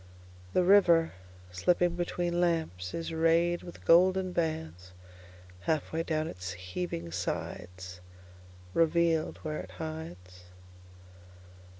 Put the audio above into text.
The river, slipping betweenLamps, is rayed with golden bandsHalf way down its heaving sides; Revealed where it hides.